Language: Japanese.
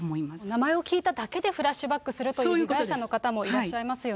名前を聞いただけでフラッシュバックするという被害者の方もそういうことです。